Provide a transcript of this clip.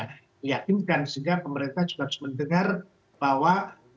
meyakinkan sehingga pemerintah juga harus mendengar bahwa